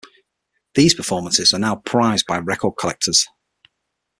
These performances are now prized by record collectors.